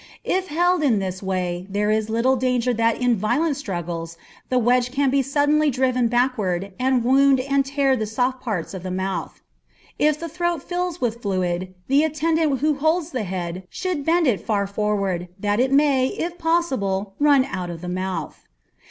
If held in this way there is little danger that in violent struggles, the wedge can be suddenly driven backward and wound and tear the soft parts of the mouth. If the throat fills with fluid, the attendant who holds the head should bend it far forward, that it may, if possible, run out of the mouth.